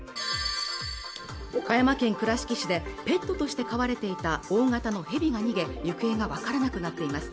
岡山県倉敷市でペットとして飼われていた大型のヘビが逃げ行方が分からなくなっています